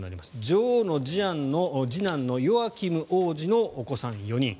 女王の次男のヨアキム王子のお子さん４人。